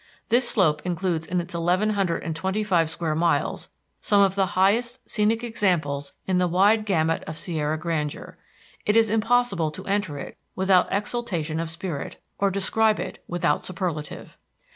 This slope includes in its eleven hundred and twenty five square miles some of the highest scenic examples in the wide gamut of Sierra grandeur. It is impossible to enter it without exaltation of spirit, or describe it without superlative.